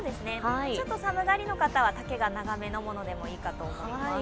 ちょっと寒がりの方は丈が長めのものでもいいと思います。